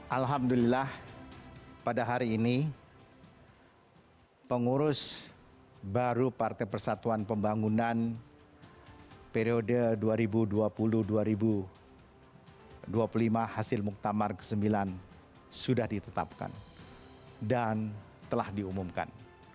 alhamdulillah pada hari ini pengurus baru partai persatuan pembangunan periode dua ribu dua puluh dua ribu dua puluh lima hasil muktamar ke sembilan sudah ditetapkan dan telah diumumkan